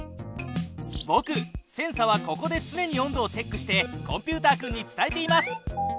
ぼくセンサはここでつねに温度をチェックしてコンピュータ君に伝えています。